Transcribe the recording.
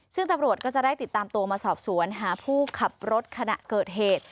ซึ่งตำรวจก็จะได้ติดตามตัวมาสอบสวนหาผู้ขับรถขณะเกิดเหตุ